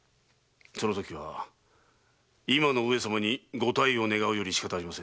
そのときは今の上様に御退位を願うよりしかたありません。